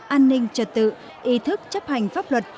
an ninh trật tự ý thức chấp hành pháp luật